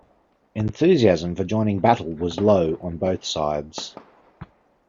Enthusiasm for joining battle was low on both sides.